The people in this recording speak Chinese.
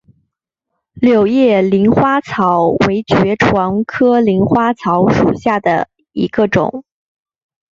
柳叶鳞花草为爵床科鳞花草属下的一个种。